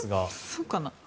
そうかな？